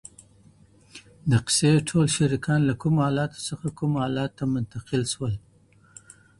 د قصې ټول شريکان له کومو حالاتو څخه کومو حالاتو ته منتقل سول؟